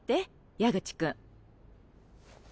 矢口君。